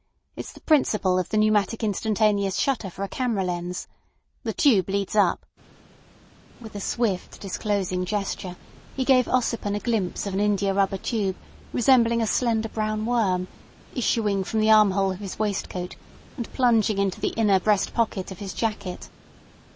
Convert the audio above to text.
It's the principle of the pneumatic instantaneous shutter for a camera lens. The tube leads up—" With a swift disclosing gesture he gave Ossipon a glimpse of an india rubber tube, resembling a slender brown worm, issuing from the armhole of his waistcoat and plunging into the inner breast pocket of his jacket.